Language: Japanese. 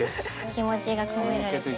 気持ちが込められて。